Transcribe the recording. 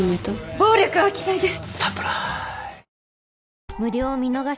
暴力は嫌いです